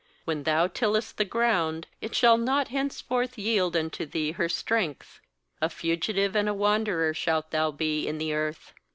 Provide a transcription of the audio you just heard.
l2When thou tillest the ground, it shall not henceforth yield unto thee her strength; a fugitive and a wander er shalt thou be in the earth.'